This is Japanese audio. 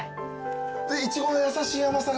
イチゴの優しい甘さが。